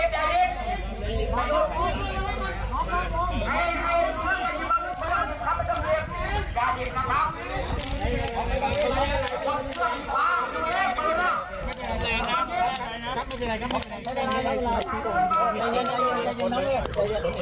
ตอนที่จับตัวเขาต้องเป็นวินาทีที่ผ่านภูวิและลิฟที่เกิดขึ้น